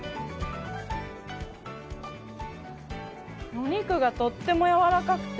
お肉がとってもやわらかくて